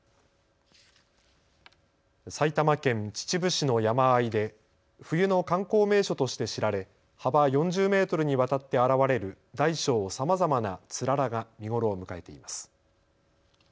埼玉県秩父市の山あいで冬の観光名所として知られ幅４０メートルにわたって現れる大小さまざまなつららが見頃を迎えています。